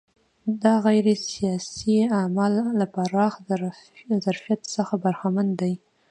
دا غیر سیاسي اعمال له پراخ ظرفیت څخه برخمن دي.